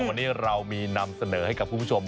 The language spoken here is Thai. วันนี้เรามีนำเสนอให้กับคุณผู้ชม